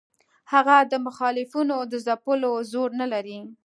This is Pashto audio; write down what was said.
هغه د مخالفینو د ځپلو زور نه لري.